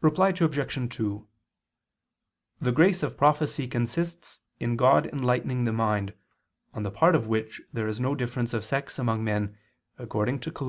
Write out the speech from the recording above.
Reply Obj. 2: The grace of prophecy consists in God enlightening the mind, on the part of which there is no difference of sex among men, according to Col.